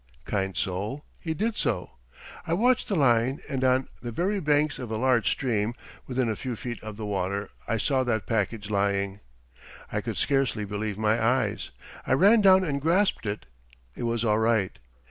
Kind soul, he did so. I watched the line, and on the very banks of a large stream, within a few feet of the water, I saw that package lying. I could scarcely believe my eyes. I ran down and grasped it. It was all right.